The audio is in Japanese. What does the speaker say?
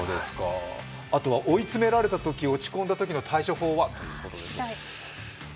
あとは、追い詰められたとき落ち込んだときの対処法は？